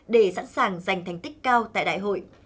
để sẵn sàng giành thành tích cao tại đại hội